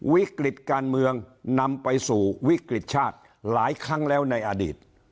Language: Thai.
วิกฤตการเมืองนำไปสู่วิกฤตชาติหลายครั้งแล้วในอดีต